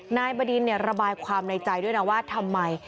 นายบดินระบายความในใจด้วยนะว่าทำไม